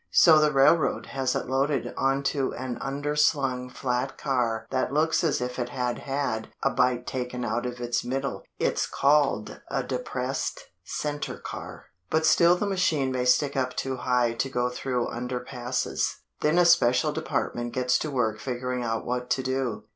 So the railroad has it loaded onto an underslung flat car that looks as if it had had a bite taken out of its middle. It's called a depressed center car. But still the machine may stick up too high to go through underpasses. Then a special department gets to work figuring out what to do.